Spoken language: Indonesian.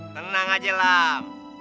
tenang aja lam